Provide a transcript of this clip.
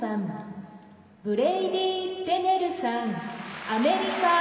ブレイディ・テネル、アメリカ。